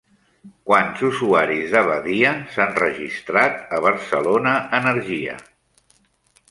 Quants usuaris de Badia s'han registrat a Barcelona Energia?